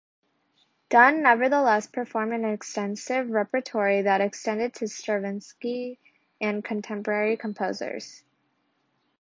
Dunn nevertheless performed an extensive repertory that extended to Stravinsky and contemporary composers.